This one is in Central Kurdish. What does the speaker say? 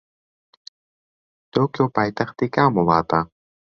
تۆکیۆ پایتەختی کام وڵاتە؟